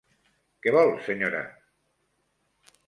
Què vol, senyora?